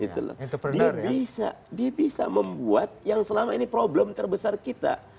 dia bisa membuat yang selama ini problem terbesar kita